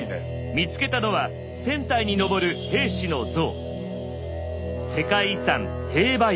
見つけたのは１，０００体に上る兵士の像。